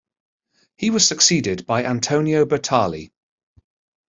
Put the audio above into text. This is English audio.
He was succeeded by Antonio Bertali.